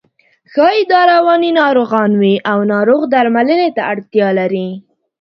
ښایي دا رواني ناروغان وي او ناروغ درملنې ته اړتیا لري.